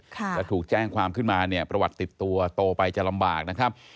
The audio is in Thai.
ถ้าถูกแจ้งความขึ้นมาเนี่ยประวัติติดตัวโตไปจะลำบากนะครับ